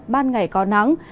ban ngày có nắng